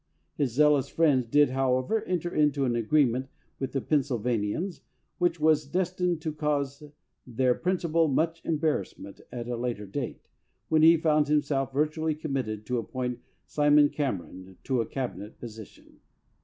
His zealous friends did, however, enter into an agreement with the Pennsylvanians which was destined to cause their principal much embarrass ment at a later date, when he found himself vir tually committed to appoint Simon Cameron to a cabinet position.